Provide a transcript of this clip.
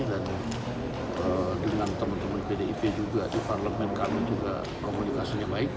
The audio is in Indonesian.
dan dengan teman teman pdip juga di parlemen kami juga komunikasinya baik